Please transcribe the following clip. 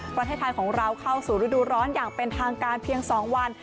ประเทศไทยของเราเข้าสู่ฤดูร้อนอย่างเป็นทางการเพียง๒วัน